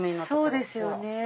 そうですよね。